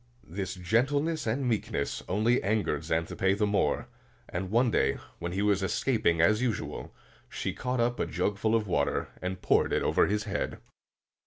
This gentleness and meekness only angered Xanthippe the more; and one day, when he was escaping as usual, she caught up a jug full of water and poured it over his head.